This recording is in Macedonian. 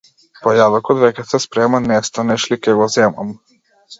Појадокот веќе се спрема, не станеш ли, ќе го земам!